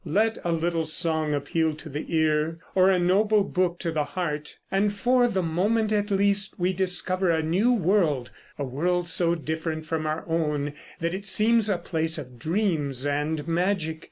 Let a little song appeal to the ear, or a noble book to the heart, and for the moment, at least, we discover a new world, a world so different from our own that it seems a place of dreams and magic.